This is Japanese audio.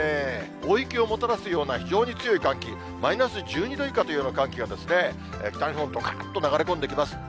大雪をもたらすような非常に強い寒気、マイナス１２度以下というような寒気が北日本、がっと流れ込んできます。